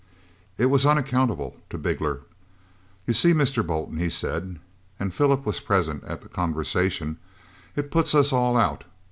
It was unaccountable to Bigler. "You see, Mr. Bolton," he said, and Philip was present at the conversation, "it puts us all out.